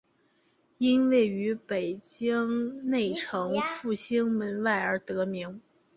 因位于北京内城复兴门外而得名。